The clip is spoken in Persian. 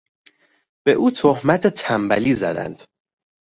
به او تهمت تنبلی زدند.